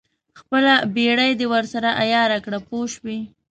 خپله بېړۍ دې ورسره عیاره کړه پوه شوې!.